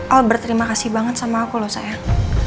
oh berterima kasih banget sama aku loh sayang